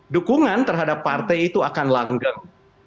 dukungan terhadap partai itu akan langgang